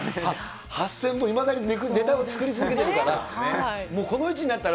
８０００本、いまだにネタを作り続けてるから。